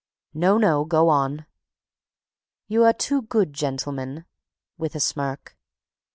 "No, no, go on." "You are too good, gentlemen," with a smirk.